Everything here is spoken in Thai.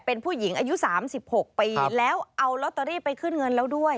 เป็นผู้หญิงอายุ๓๖ปีแล้วเอาลอตเตอรี่ไปขึ้นเงินแล้วด้วย